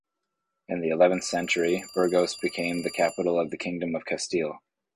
In the eleventh century, Burgos became the capital of the Kingdom of Castile.